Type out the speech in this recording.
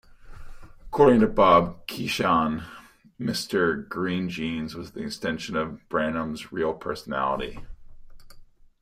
According to Bob Keeshan, Mr. Green Jeans was an extension of Brannum's real personality.